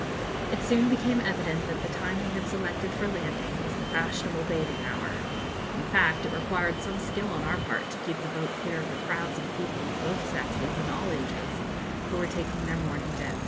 It soon became evident that the time we had selected for landing was the fashionable bathing hour. In fact, it required some skill on our part to keep the boat clear of the crowds of people of both sexes and all ages, who were taking their morning dip.